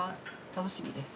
楽しみです。